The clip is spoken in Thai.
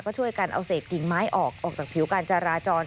ก็ช่วยกันเอาเศษกิ่งไม้ออกออกจากผิวการจราจร